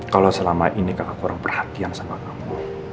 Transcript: kalau selama ini kamu kurang perhatian sama kamu